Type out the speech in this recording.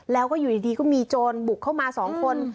แล้วก็อยู่ดีก็มีโจรบุกเข้ามา๒คน